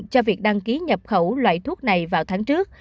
cho việc đăng ký nhập khẩu loại thuốc này vào tháng trước